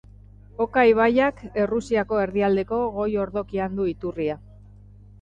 Oka ibaiak Errusiako erdialdeko goi-ordokian du iturria.